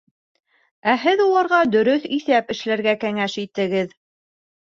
Ә һеҙ уларға дөрөҫ иҫәп эшләргә кәңәш итегеҙ.